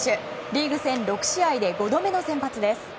リーグ戦６試合で５度目の先発です。